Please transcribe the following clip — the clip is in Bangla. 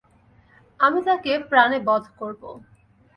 আমি তাকে প্রাণে বধ করব।